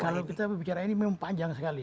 kalau kita bicara ini memang panjang sekali